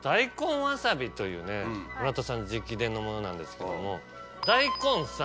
というね村田さん直伝のものなんですけども。